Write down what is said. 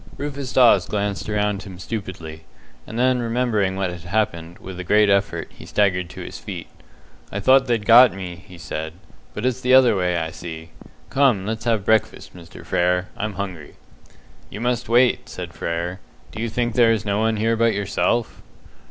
Rufus Dawes glanced around him stupidly, and then remembering what had happened, with a great effort, he staggered to his feet. "I thought they'd got me!" he said, "but it's the other way, I see. Come, let's have breakfast, Mr. Frere. I'm hungry." "You must wait," said Frere. "Do you think there is no one here but yourself?"